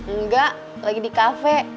enggak lagi di kafe